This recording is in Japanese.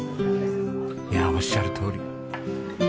いやあおっしゃるとおり。